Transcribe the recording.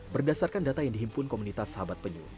berdasarkan data yang dihimpun komunitas sahabat penyu